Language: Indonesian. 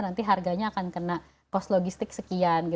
nanti harganya akan kena cost logistik sekian